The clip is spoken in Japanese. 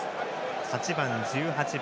８番と１８番。